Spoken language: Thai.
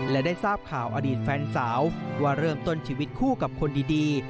และได้ทราบข่าวอดีตแฟนสาวว่าเริ่มต้นชีวิตคู่กับคนดี